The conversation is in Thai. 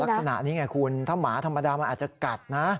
ลักษณะนี้ไงคุณถ้าหมาธรรมดามันอาจจะกัดนะ